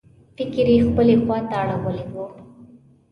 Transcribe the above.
فکر یې خپلې خواته اړولی و.